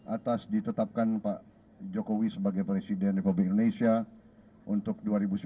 atas ditetapkan pak jokowi sebagai presiden republik indonesia untuk dua ribu sembilan belas dua ribu dua puluh empat